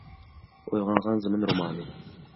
«ئويغانغان زېمىن» رومانى